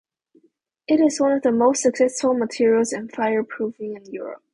It is one of the most successful materials in fireproofing in Europe.